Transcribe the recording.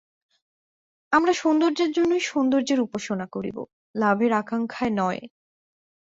আমরা সৌন্দর্যের জন্যই সৌন্দর্যের উপাসনা করিব, লাভের আকাঙ্ক্ষায় নয়।